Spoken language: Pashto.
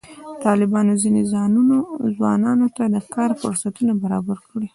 طالبانو ځینو ځوانانو ته د کار فرصتونه برابر کړي.